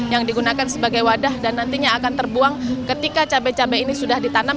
yang digunakan sebagai wadah dan nantinya akan terbuang ketika cabai cabai ini sudah ditanam